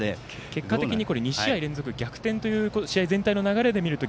結果的に２試合連続という試合全体の流れで見ますと。